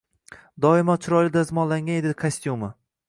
Вoimo chiroyli dazmollangan edi kostyumi.